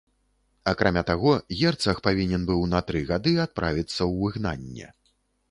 Акрамя таго, герцаг павінен быў на тры гады адправіцца ў выгнанне.